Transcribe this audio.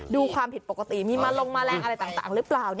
ดูความผิดปกติมีมาลงแมลงอะไรต่างหรือเปล่า